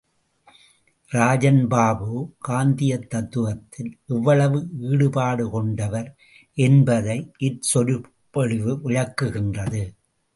இராஜன் பாபு காந்தியத் தத்துவத்தில் எவ்வளவு ஈடுபாடு கொண்டவர் என்பதை இச்சொற்பொழிவு விளக்குகின்றது.